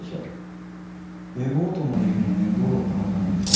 Ａ号棟まで行くのが面倒だったからじゃないですか？